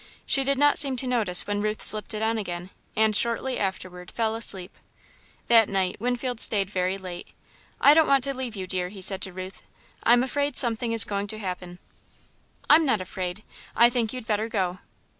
She did not seem to notice when Ruth slipped it on again, and, shortly afterward, fell asleep. That night Winfield stayed very late. "I don't want to leave you, dear," he said to Ruth. "I'm afraid something is going to happen." "I'm not afraid I think you'd better go."